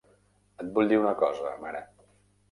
Et vull dir una cosa, mare.